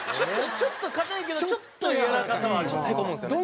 ちょっと硬いけどちょっとやわらかさはありますよね。